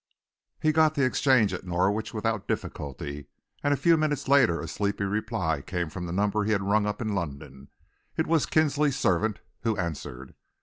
He got the exchange at Norwich without difficulty, and a few minutes later a sleepy reply came from the number he had rung up in London. It was Kinsley's servant who answered.